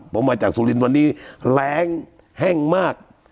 ผมมาจากสุรินทร์วันนี้แรงแห้งมาก